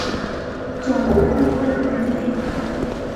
总部位于美国。